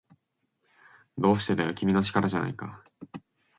どうしてだよ、君の力じゃないか